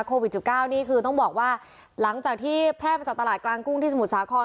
โควิด๑๙นี่คือต้องบอกว่าหลังจากที่แพร่มาจากตลาดกลางกุ้งที่สมุทรสาคร